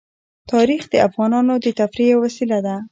تاریخ د افغانانو د تفریح یوه وسیله ده.